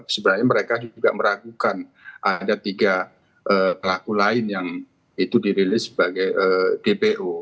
sebenarnya mereka juga meragukan ada tiga pelaku lain yang itu dirilis sebagai dpo